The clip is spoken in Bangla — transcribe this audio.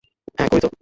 হ্যাঁ, করি তো।